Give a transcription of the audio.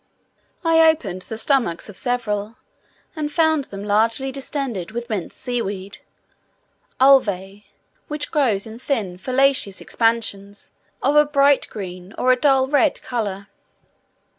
I opened the stomachs of several, and found them largely distended with minced sea weed (Ulvae), which grows in thin foliaceous expansions of a bright green or a dull red colour.